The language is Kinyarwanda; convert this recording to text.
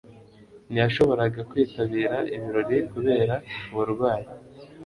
Ntiyashoboraga kwitabira ibirori kubera uburwayi.